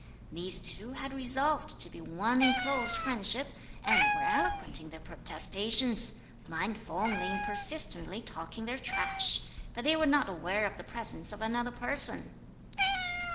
These two had resolved to be one in close friendship, and were eloquent in their protestations, mindful only in persistently talking their trash, but they were not aware of the presence of another person."